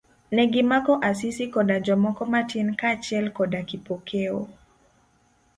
Negimako Asisi koda jomoko matin kaachiel koda Kipokeo.